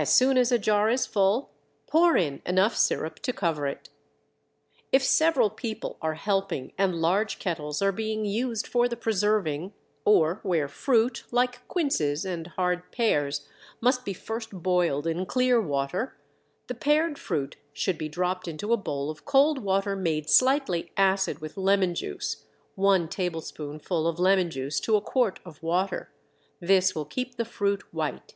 As soon as a jar is full, pour in enough sirup to cover it. If several people are helping and large kettles are being used for the preserving, or where fruit (like quinces and hard pears) must be first boiled in clear water, the pared fruit should be dropped into a bowl of cold water made slightly acid with lemon juice (one tablespoonful of lemon juice to a quart of water). This will keep the fruit white.